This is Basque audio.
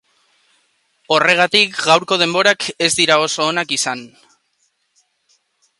Horregatik gaurko denborak ez dira oso onak izan.